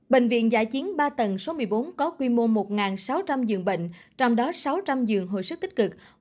bệnh viện giã chiến ba tầng số một mươi bốn có quy mô một sáu trăm linh giường bệnh trong đó sáu trăm linh giường hồi sức tích cực